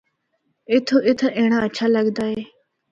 اُتھو اِتھا اینڑا ہچھا لگدا اے۔